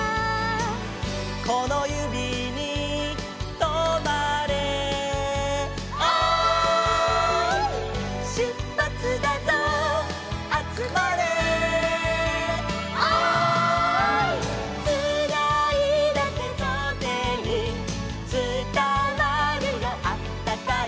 「このゆびにとまれ」「おーい」「しゅっぱつだぞあつまれ」「おーい」「つないだてとてにつたわるよあったかい」